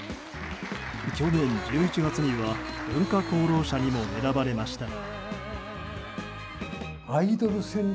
去年１１月には文化功労者にも選ばれましたが。